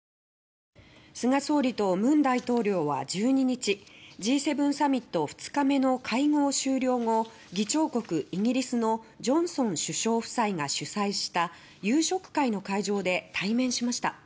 菅総理と文大統領は、１２日Ｇ７サミット２日目の会合終了後議長国イギリスのジョンソン首相夫妻が主催した夕食会の会場で対面しました。